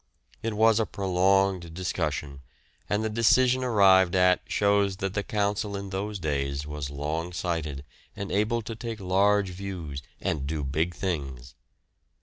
It was a prolonged discussion and the decision arrived at shows that the Council in those days was long sighted and able to take large views and do big things.